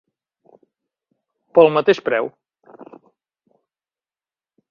Pel mateix preu.